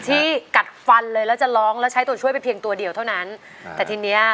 ที่กัดฟันเลยแล้วจะร้องแล้วใช้ตัวช่วยไปเพียงตัวเดียวเท่านั้นแต่ทีเนี้ย